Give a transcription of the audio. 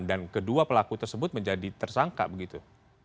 dan kedua pelaku tersebut menjadi tersangka begitu